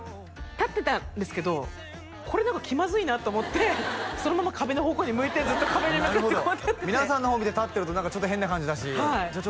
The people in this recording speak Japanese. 立ってたんですけどこれ何か気まずいなと思ってそのまま壁の方向に向いてずっと壁に向かってこうやってやってて皆さんの方を見て立ってると何かちょっと変な感じだしじゃあ